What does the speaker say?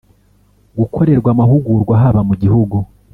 Gukorerwa amahugurwa haba mu gihugu